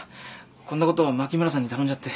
こんなことを牧村さんに頼んじゃって。